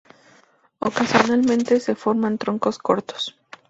Ocasionalmente se forman troncos cortos.